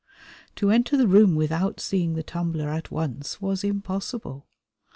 To enter the room without seeing the tumbler at once was impossible.